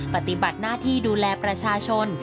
ปฏิบัติหน้าที่ดูแลประชาชน